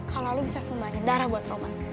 kalau lu bisa sumbangan darah buat roman